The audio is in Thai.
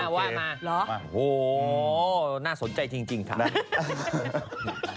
หรอว่ามามาโอ้โฮน่าสนใจจริงค่ะฮ่าฮ่าฮ่า